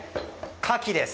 カキです。